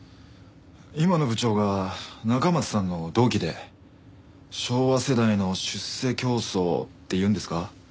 今の部長が中松さんの同期で昭和世代の出世競争っていうんですか？